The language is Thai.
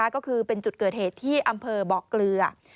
ก็คือเป็นจุดเกิดเหตุที่อำเภอเบาะเกลือ